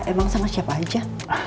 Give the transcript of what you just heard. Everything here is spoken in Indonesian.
emang sama siapa aja